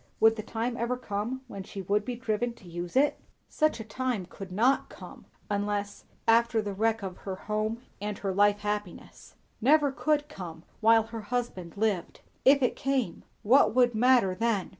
Would the time ever come when she would be driven to use it? Such a time could not come, unless after the wreck of her home and her life happiness; never could come while her husband lived. If it came, what would matter then?